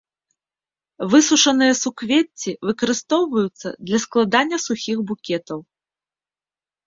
Высушаныя суквецці выкарыстоўваюцца для складання сухіх букетаў.